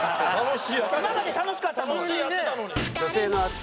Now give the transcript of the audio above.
今まで楽しかったのに。